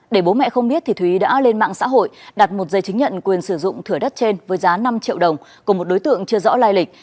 để bố mẹ không biết thúy đã lên mạng xã hội đặt một giấy chứng nhận quyền sử dụng thửa đất trên với giá năm triệu đồng của một đối tượng chưa rõ lai lịch